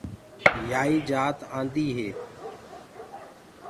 يائيٚ جآت آنٚديٚ هي۔